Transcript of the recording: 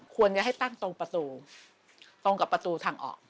ควรจะให้ตั้งตรงประตูตรงกับประตูทางออก